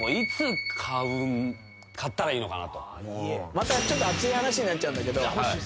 またちょっと熱い話になっちゃうんだけど。